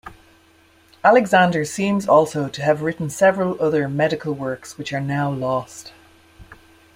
Alexander seems also to have written several other medical works which are now lost.